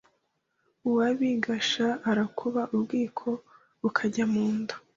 Uwa Bigashya arakuba ubwiko bukabajya mu nda